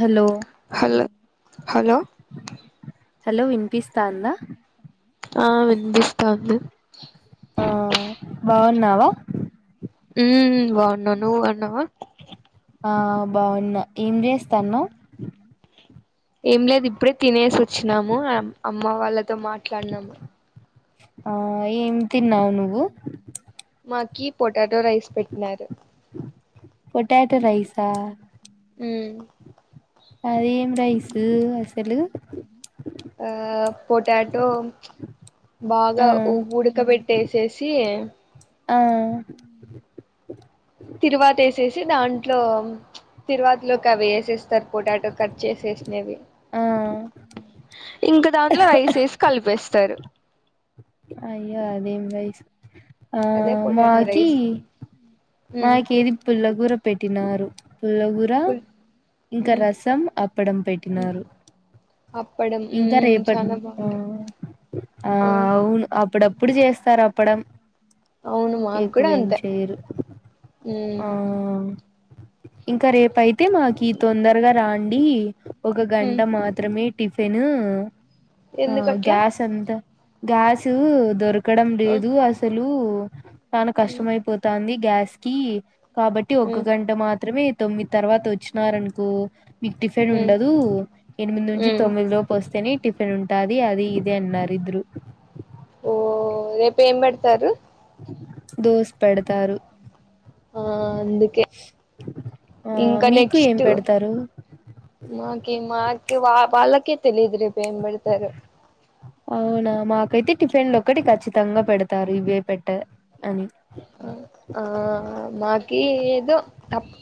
Hello hello hello hello వి ఆ వినిపిస్తంది. ఆ బాగున్నావా ఉ బాగున్నా నువ్వు బగున్నావా ఆ బాగున్నా ఏం చేస్తానవ్, ఏం లేదు ఇప్పుడే తినేసి వచ్చినాము అమ్మ వాళ్ళతో మాట్లాడినాము. ఆ ఎం తిన్నావు నువ్వు కి పొటాటో రైస్ పెట్టినారు, పొటాటో రైసా ఉ అదేం రైస్ అసలు ఆ పొటాటో ఆ బాగా ఉడకబెట్టేసేసి ఆ తిరువాతి వేసేసి దాంట్లో తిరువాతిలో అవి వేసేస్తారు పొటాటో కట్ చేసేస్తారు ఆ ఇంక దాంట్లో రైస్ వేసి కలిపేస్తాం తరు అయ్యో అదేం రైస్ ఆ అదే పొటాటో మాకి రైస్ ఉమ్ మాకేదింపుల గుర పెట్టినారు పులగుర ఇంకా ఉమ్ రసం అప్పడం ఉమ్ పెట్టినారు అప్పడం ఇంకా మ్మ్ రేపటి చాలా బాగుంటది ఆ అవును అప్పుడప్పుడు చేస్తా సరపడం అవును మాకు కూడా ఎక్కువేం అంతే చేయరు ఆ మ్మ్ ఇంకా రేపయితే మాకు తొందరగా రా అండి ఒక గంట మ్మ్ మాత్రమే టిఫిన్ ఆ ఎందుకట్లా గ్యాస్ అంతా గ్యాస్ దొరకడం ఆ లేదు అసలు చాలా మ్మ్ కష్టంమయిపోతుంది గ్యాస్ కి కాబట్టి ఒక్క మ్మ్ గంట మాత్రమే తొమ్మిది తర్వాత వచ్చినారనుకో మీకు టిఫిన్ మ్మ్ ఉండదు ఎనిమిది నుంచి మ్మ్ తొమ్మిది లోపు వస్తేనే టిఫిన్ పెనుంటాది అది ఇదే అన్నారు ఇద్ద్రు ఓ రేపు ఏంబడతారు దోష పెడతారు ఆ అందుకే [inaudible] ఆ ఇంకా మీకు ఏం నెక్స్ట్ పెడతారు మాకి మాకి వా వాళ్ళకి తెలీదు రేప్బడతారు అవునా మాకైతే టిఫిన్లు ఒకటి ఖచ్చితంగా పెడతారు ఇవే పెట్ట అని ఆ మాకి ఏదో తప్పు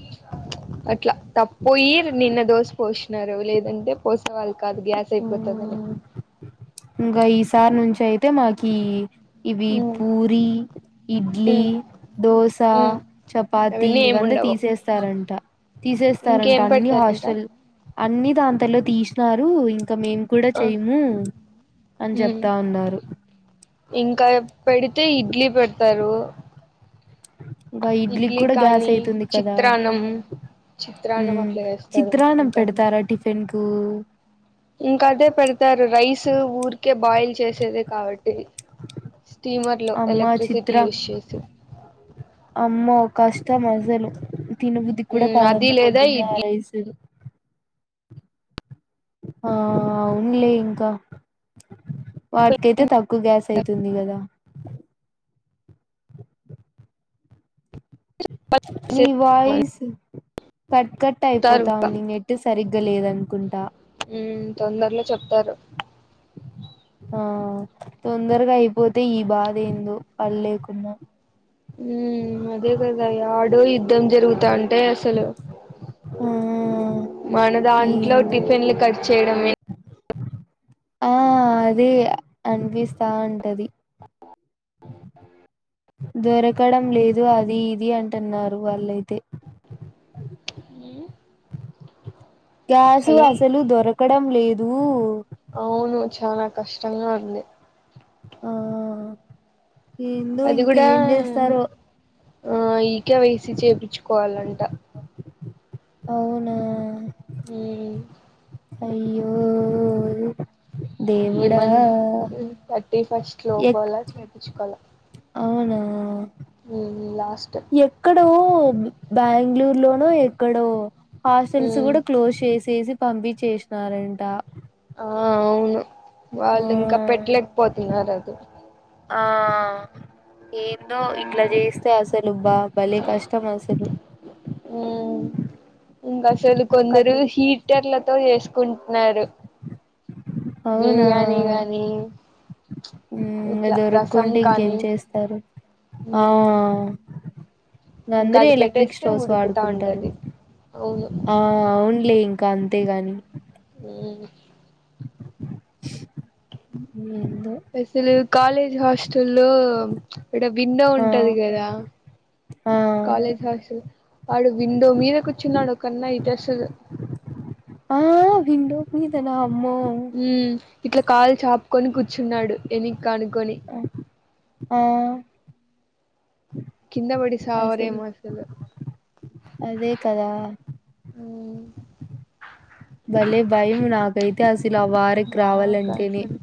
అట్లా తప్పయి నిన్న దోశ పోసినారు లేదంటే పోసేవాళ్ళ అ అ గ్యాస్ అయిపోతుదనే ఇంకా ఈసారి నుంచి అయితే మాకి ఇవి మ్మ్ పూరి ఇడ్లీ మ్మ్ దోస మ్మ్ చపాతి అవన్నీ ఇ ఏమి వంద ఉండవు తీసేస్తారంట తీసేస్తారంట ఇంకేం అన్ని పెడతారంట హాస్టల్ అన్ని దాంతలో తీసినారు ఇంక మేము కూడా ఆ చెయ్యము అని ఉమ్ చెప్తా ఉన్నారు ఇంకా పెడితే ఇడ్లీ పెడతారు ఇంకా ఇడ్లీకి ఇడ్లీ కూడా గ్యాస్ కానీ అయితుంది కదా చిత్రాన్నం ఉ చిత్రాన్నం అట్లా చేస్తారు చిత్రాన్నం ఇంకా అంతే పెడతారా టిఫిన్ కు ఇంకా అదే పెడతారు రైస్ ఊరికే బాయిల్ చేసేదే కాబట్టి స్టీమర్ లో అమ్మ ఎలక్ట్రిసిటీ యూజ్ చేసి అమ్మ ఒక కష్టం మజలు తినా బుద్ధి కూడా ఉమ్ అది కాదన్న లేదా పొద్దున్న ఇడ్లీ ఆరైసు అవునులే ఇంకా వాటికైతే తక్కువ గ్యాస్ అయితుంది కదా [inaudible] ని చెప్తారు వాయిస్ కట్ కట్ అయిపోతావు ఇంకా న నెట్టు సరిగ్గా లేదనుకుంటా హ్మ్మ్ తొందర్లో ఆ తొందరగా అయిపోతే ఈ బాధ ఏందో పళ్ళ లేకుడా ఉ అదే కదా యడో యుద్ధం జరుగుతా అంటే అసలు ఆ మన దాంట్లో ఏందో టిఫిన్లు కట్ చేయడంమె ఆ అదే అనిపిస్తా ఉంటది అఓ దొరకడం లేదు అది ఇది అంటున్నారు వాళ్ళైతే ఉమ్ గ్యాసు అసలు దొరకడం లేదు అవును చాలా కష్టంగా ఉంది ఆ ఏందో అది ఇంక కూడా ఏం చేస్తారో ఆ ఈకే వేసి చేపిచ్చుకోవాలంట అవునా ఉమ్ అయ్యో ఈ దేవుడా మంత్ థర్టీ ఫస్ట్ ఎక్ లోపల చేపిచుకోవాల అవునా మీ మీ లాస్ట్ ఎక్కడో బెంగళూరు లోనో ఎక్కడో హాస్టల్స్ ఉమ్ కూడా క్లోజ్ చేసేసి పంపి చేసినారంట ఆ అవును వాళ్ళు ఇంకా పెట్టలేకపోతున్నారు అది ఆ ఏందో ఇట్లా చేస్తే అసలు బా భలే కష్టం అసలు ఉమ్ ఇంకా అసలు కొందరు కట్టు హీటర్లతో చేసుకో కుంటున్నారు అవునా ఉమ్ ఇంకా ఇట్లా రసం దొరుకుంటే ఇంకేం కానీ చేస్తారు ఆ ఇంకా అందరూ అది ఎలక్ట్రిక్ పెట్టేస్తే స్టోవ్స్ ఉడుకుతా వాడుకుంటారు ఉంటది అవును ఆ అవునులే ఇంకా అంతేగాని ఉమ్ ఉ అసలు కాలేజ్ హాస్టల్ల్లో ఇడా విండో ఆ ఉంటది కదా ఆ కాలేజ్ హాస్టల్ ఆడా విండో మీద కూర్చున్నాడు ఒక అన్న అయితే అసలు ఆ విండో మీదనా అమ్మో ఉమ్ ఇట్లా కాలు చాపుకొని కూర్చున్నాడు వెన్నికి ఆనుకోని ఆ కింద పడిసావరేమో అసలు అదే కదా ఉమ్ భలే భయం నాకైతే అసలు ఆ వారకి నాకు రావాలంటేనే అసలు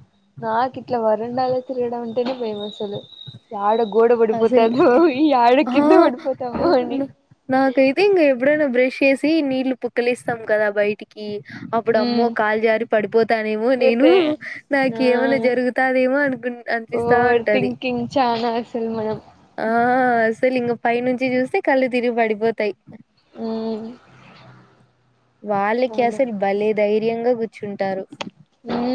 నాకు ఇట్లా వరండాలో తిరగడం అంటేనే భయము అసలు యాడా అసల్ పడిపోతామో అని నాకైతే ఇగా ఎప్పుడనా బ్రేక్ చేసి నీళ్లు పుక్కలిస్తాం కదా బయటికి అప్పుడు అమ్మో మ్మ్ కాలు జారి పడిపోతానేమో నేను పోతే ఆ నాకు ఏమైన్నా జరుగుతాదేమో అనుకు కూన్ అంనీపిస్తా ఓవర్ ఉంటది థింకింగ్ చానా అసలు మనం అస్సలు ఇంగా పై నుంచి చూస్తే కళ్ళు తిరిగి పడిపోతాయి ఉమ్ వాళ్ళకి అసలు భలే ధైర్యంగా కూర్చుంటారు ఉమ్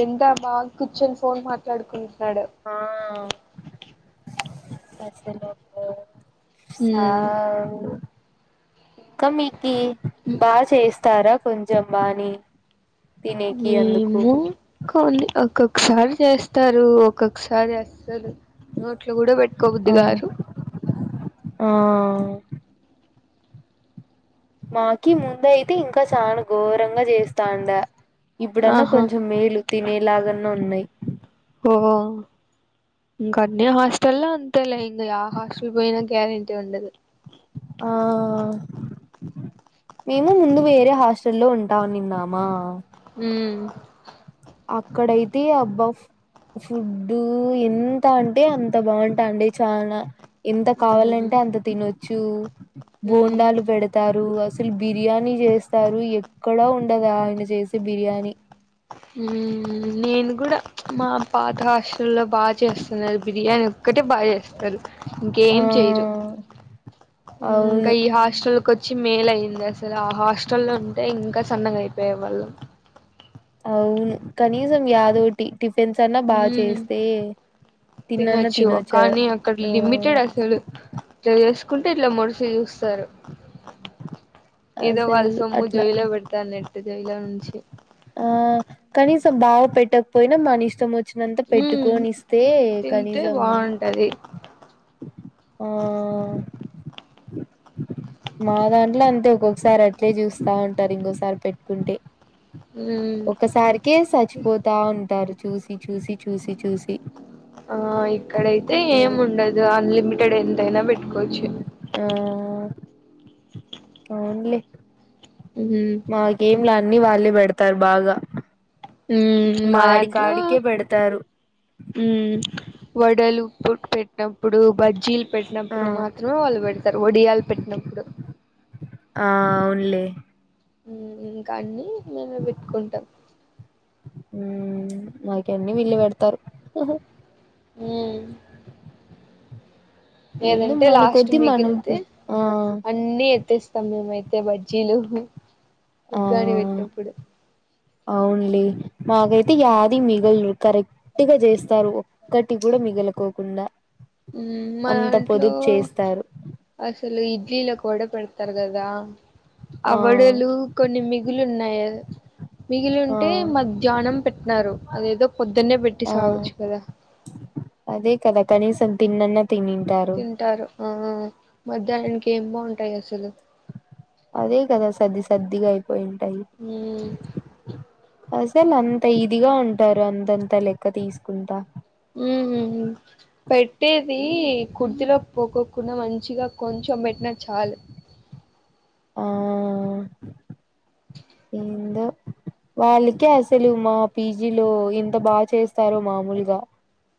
ఏంతా బా కూచొని ఫోన్ మాట్లాడుకు ఆ అసలు భయం మ్మ్ సావ్ ఇంకా మీక బా చేస్తారా కొంచెం బాని తినేకి అందుకు మేము కొన్ని ఒక సారి చేస్తారు ఒక్కొక్కసారి అస్సలు నోట్లో కూడా పెట్టుకో బుద్ధి ఆ కారు ఆ మాకి ముందు అయితే ఇంకా చానా ఘోరంగా చేస్తాండా ఇప్పుడు అన్న ఆహా కొంచెం మేలు తినేలాగా అన్న ఉన్నాయి ఓ ఇంకా అన్య హాస్టల్లో అంతేలే ఇంక యా హాస్టల్ పోయినా గ్యారెంటీ ఉండదు ఆ మేము ముందు వేరే హాస్టల్లో ఉంటా ఉన్నిన్ నామ ఊ అక్కడ అయితే అబ్బా ఫు ఫుడ్డు ఎంత అంటే అంత బాగుంటండ చానా ఎంత మ్మ్ కావాలంటే అంత తినొచ్చు మ్మ్ బోండాలు పెడతారు అసల బిర్యానీ చేస్తారు ఎక్కడా ఉండదు ఆయన చేసే బిర్యానీ యూ నేను కూడా మా పాత హాస్టల్లో బాగా చేస్తున్నారు బిర్యానీ ఒక్కటే బాగ చే తరు ఆ ఇంకేం చేయరు యూ ఇంకా అవును ఈ హాస్టల్ కి వచ్చి మెయిల్ అయింది అసలు ఆ హాస్టల్లో ఉంటే ఇంకా సన్నగ అయిపోయే వాళ్ళం అవును కనీసం యాదో ఓటి టిఫిన్స్ అన్నా బాగా మ్మ్ చేస్తే తినొచ్చు కానీ అక్కడ ఆ లిమిటెడ్ అసలు తెల్లస్ కుంటే ఇట్ల మోడసి చూస్తారు ఏదో వాళ్ళ అసలు సొమ్ము అట్లా జోబీలో పెడతాన్నట్లు జైలో నుంచి ఆ కనీసం బావ పెట్టకపోయినా మన ఇష్టం వొ చ్చినంత మ్మ్ పెట్టుకొని ఇస్తే తింటే కనీసం బాగుంటది ఆ మా దాంట్లో అంతే ఒక్కొక్కసారి అట్టే చూస్తా ఉంటారు ఇంకోసారి పెట్టుకుంటే మ్మ్ ఒకసారికే చచ్చిపోతా ఉంటారు. చూసి చూసి చూసి చూసి ఆ ఇక్కడైతే ఏమి ఉండదు అన్లిమిటెడ్ ఎంతైనా పెట్ ఆ అవునలే హు ఉన్నలే అన్నీ వాళ్లే పెడతారు బాగా యూ ఇంగ మా దాంట్లో ఆడికాడికే పెడతారు యూ వడలు గుడ్ పెట్టప్పుడు బజ్జీ ఆ పెట్టినప్పుడు మాత్రమే వాళ్ళు పెడతారు వోడియాలు పెట్టినప్పుడు లే ఉ ఇంకా అన్ని మేమే పెట్టుకుంటాం ఉ నాకి అన్ని వీళ్ళే పెడతారు హా హు ఏందో లేదంటే మన లాస్ట్ కొద్ది మనం మిగిలితే ఆ అన్ని ఎత్తేస్ సమ్యమైతే అయితే బజ్జీలు ఆ ఉగ్గాని పెట్టనప్పుడు అవునులే మాకైతే యాది మిగలరు. కరెక్ట్ గా చేస్తారు ఒకటి కూడా మిగలకోకుండా యూ మా అంత దాంట్లో పొదుపు చేస్తారు అసలు ఇ ఈల కోడా పెడతారు కదా ఆ వడలు కొన్ని మిగులు ఉన్నాయి మిగిలి ఆ ఉంటే మధ్యాహ్నం పెట్టనారు అదేదో పొద్దున్నే పెట్టి ఆ సావచ్చు కదా కథ కనీసం తిన్ అన్న తింటారు ఆ మధ్యాహ్నానికి ఏం బాగుంటాయి అసలు అదే కదా సద్ది సద్దిగా అయిపోయి ఉంటాయి ఉమ్ ఆస్ తేలే అంత ఇదిగా ఉంటారు అంత అంత లెక్క తీసుకుంటా ఉ పెట్టేది కుర్దిలో పోకోకుండా మంచిగా కొంచెం పెట్టిన చ చాలు ఆ ఎండో వాల్ కే అసలు మా పీజీలో ఎంత బాగ చేస్తారో మములుగ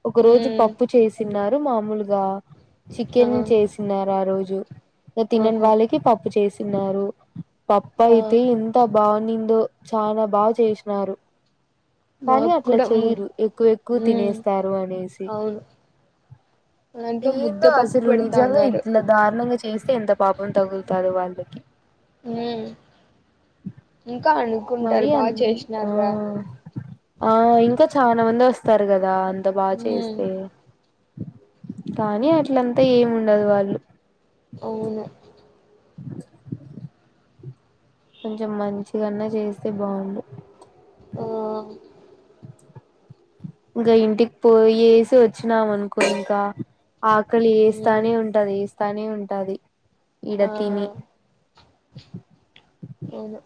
ఒక రోజు ఉమ్ పప్పు చేసినారు మామూలుగ ఆ చికెన్ చేసినారు ఆ రోజు తినని ఆహా వాళ్ళకి పప్పు చేసినారు పప్పు ఆ అయితే ఇ బనిందో చాల బాగ చేసినారు కానీ మాకు అట్ల కూడా ము చెయరు ఎక్కువ ఎక్కువ ఉమ్ తినేస్తారు అనేసి అవును దాంట్లో ఏందో ముద్దపప్పు అసలు పెడతా నిజంగా ఉన్నారు ఇట్లా దారుణంగా చేస్తే ఎంత పాపం తగులుతాది వాళ్ళకి ఇంకా మరి అనుకుంటారు బాగా చేసినారా అని అ ఇంకా చాల మంది వస్తారు కదా అంత బాగ ఉమ్ చేస్తే కానీ అట్లంతా ఏమి ఉండదు వాళ్ళు అవును కొంచెం మంచిగన్నా చేస్తే బాగుండు ఆ ఇంకా ఇంటికి పోయి వేసి వచ్చినాం అనుకో ఇంగ ఆకలి ఐ మీన్ వేస్తానే ఉంటది వేస్తానే ఉంటది ఈడ ఆ తిని అవును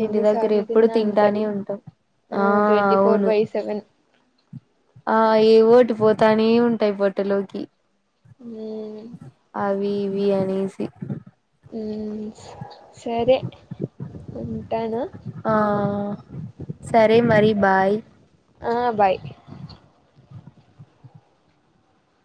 ఇంటి దగ్గర ఎన్నిసార్లు ఎప్పుడు తిన్నా అంతే తింటానే ఉంటాం ఆ ట్వంటీ ఫోర్ అవును బై సెవెన్ ఆ ఎ ఒటి పోతానే ఉంటాయి పోట్టలోకి హు వివి అనేసి సరే ఉంటాను ఆ సరే మరి బాయ్ ఆ బాయ్